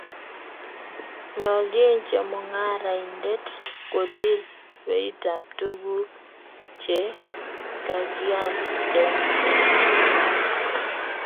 Nyoljin chemungaraindet kotil beitab tuguk che kakial eng changinda